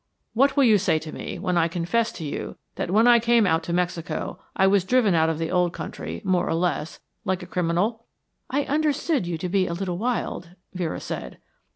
What will you say to me when I confess to you that when I came out to Mexico I was driven out of the old country, more or less, like a criminal?" "I understood you to be a little wild," Vera said.